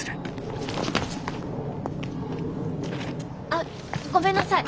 あっごめんなさい。